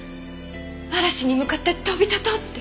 嵐に向かって飛び立とうって。